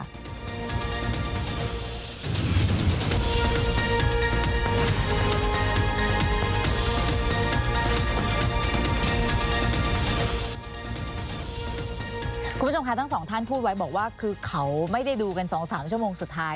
คุณผู้ชมค่ะทั้งสองท่านพูดไว้บอกว่าคือเขาไม่ได้ดูกัน๒๓ชั่วโมงสุดท้าย